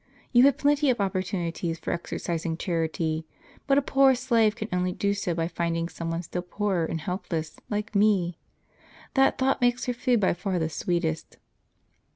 You have plenty of opportunities for exercising charity; but a poor slave can only do so by finding some one still poorer, and helpless, like me. That thought makes her food by far the sweetest."